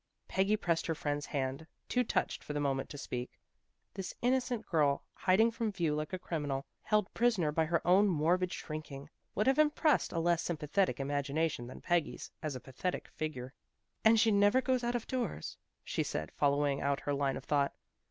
Peggy pressed her friend's hand, too touched for the moment to speak. This innocent girl, hiding from view like a criminal, held prisoner by her own morbid shrinking, would have impressed a less sympathetic imagina tion than Peggy's, as a pathetic figure. " And she never goes out of doors," she said, following out her line of thought.